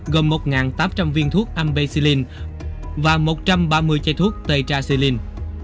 gồm một tám trăm linh viên thuốc ambexilin và một trăm ba mươi chai thuốc tetraxilin